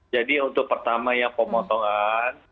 jadi untuk pertama ya pemotongan